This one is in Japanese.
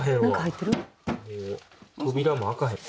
扉も開かへん。